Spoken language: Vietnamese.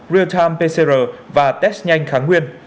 real time pcr và test nhanh kháng nguyên